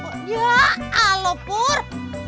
iya ala pur